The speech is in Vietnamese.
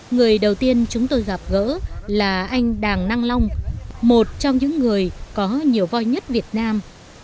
người đầu tiên chúng tôi gặp gỡ là anh đàng năng long một trong những người có nhiều voi nhất việt nam